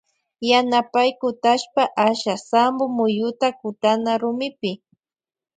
Yanapay kutashpa asha sampo muyuta kutana rumipi.